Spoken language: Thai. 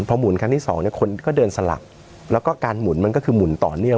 พอหมุนครั้งที่สองเนี่ยคนก็เดินสลักแล้วก็การหมุนมันก็คือหมุนต่อเนื่อง